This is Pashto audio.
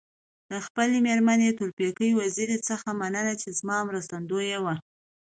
د خپلي مېرمني تورپیکۍ وزيري څخه مننه چي زما مرستندويه وه.